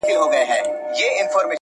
چي مساپر دي له ارغوان کړم -